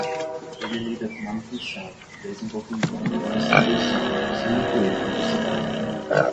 Ele lida com manutenção, desenvolvimento e distribuição, sem incluir publicidade.